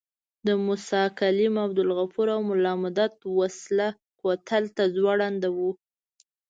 د موسی کلیم، عبدالغفور او ملا مدت وسله کوتل ته ځوړند وو.